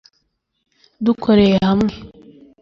Dukoreye hamwe